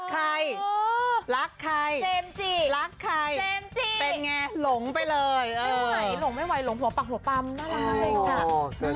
หลงไม่ไหวหลงหัวปากหัวปัมน่ารักเลยค่ะ